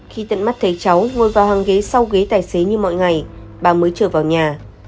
khi tận mắt thấy cháu ngồi vào hàng ghế sau ghế tài xế như mọi ngày bà mới trở vào nhà